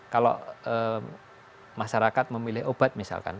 kalau masyarakat memilih obat misalkan